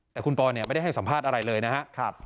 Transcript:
แต่คุณปอไม่ได้ให้สัมภาษณ์อะไรเลยนะครับ